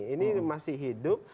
ini masih hidup